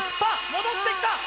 戻ってきた！